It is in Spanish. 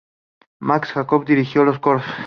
Max Jacob dirigió los coros.